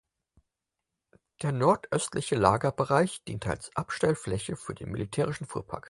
Der nordöstliche Lagerbereich diente als Abstellfläche für den militärischen Fuhrpark.